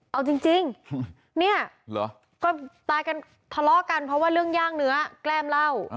เอาจริงเนี่ยเหรอก็ตายกันทะเลาะกันเพราะว่าเรื่องย่างเนื้อแกล้มเหล้า